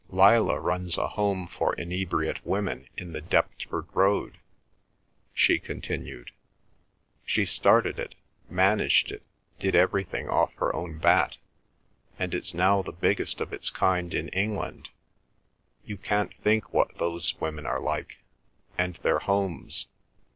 "Lillah runs a home for inebriate women in the Deptford Road," she continued. "She started it, managed it, did everything off her own bat, and it's now the biggest of its kind in England. You can't think what those women are like—and their homes.